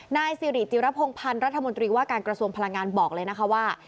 นายสิริจิรพงพันธ์รัฐมนตรีว่าการกระทรวงพลังงานบอกเลยนะคะว่า